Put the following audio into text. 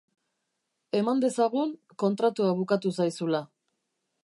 Eman dezagun kontratua bukatu zaizula.